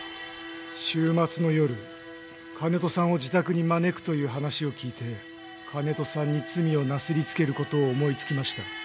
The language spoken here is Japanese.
週末の夜金戸さんを自宅に招くという話を聞いて金戸さんに罪をなすりつける事を思い付きました。